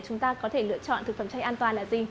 chúng ta có thể lựa chọn thực phẩm chay an toàn là gì